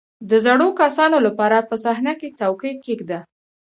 • د زړو کسانو لپاره په صحنه کې څوکۍ کښېږده.